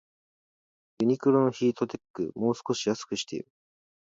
ユニクロのヒートテック、もう少し安くしてよ